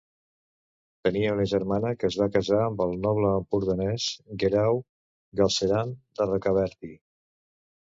Tenia una germana que es va casar amb el noble empordanès Guerau Galceran de Rocabertí.